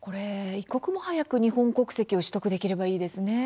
一刻も早く日本国籍を取得できればいいですね。